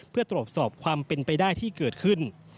เพื่อตรวจสอบความเป็นไปได้ที่เกิดขึ้น